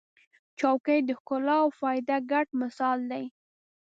چوکۍ د ښکلا او فایده ګډ مثال دی.